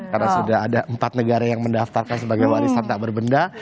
karena sudah ada empat negara yang mendaftarkan sebagai warisan tak berbenda